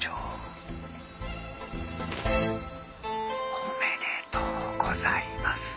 おめでとうございます。